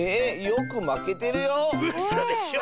うんまけてるよ。